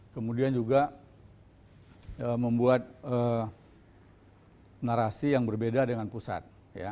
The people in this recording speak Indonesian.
kemudian juga membuat narasi yang berbeda dengan pusat